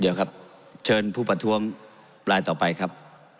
เดี๋ยวครับเชิญผู้ประท้วงลายต่อไปครับ